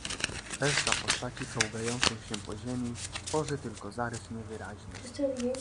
"Reszta postaci, czołgającej się po ziemi, tworzy tylko zarys niewyraźny."